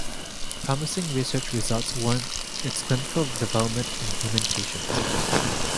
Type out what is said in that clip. Promising research results warrant its clinical development in human patients.